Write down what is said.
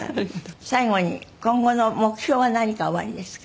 最後に今後の目標は何かおありですか？